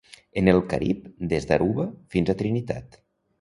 En el Carib des d'Aruba fins a Trinitat.